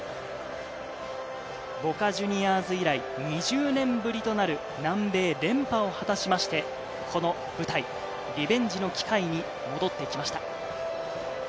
ボカ・ジュニアーズ以来、２０年ぶりとなる南米連覇を果たしまして、この舞台、リベンジの機会に戻ってきました。